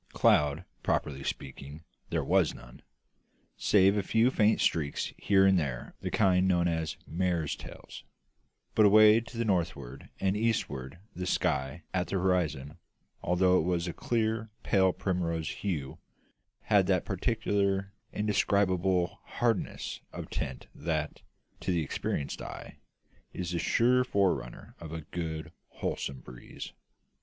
Cloud, properly speaking, there was none, save a few faint streaks here and there of the kind known as "mares' tails"; but away to the northward and eastward the sky at the horizon, although it was of a clear pale primrose hue, had that peculiar indescribable "hardness" of tint that, to the experienced eye, is the sure forerunner of a good wholesome breeze.